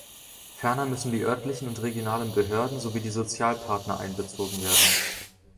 Ferner müssen die örtlichen und regionalen Behörden sowie die Sozialpartner einbezogen werden.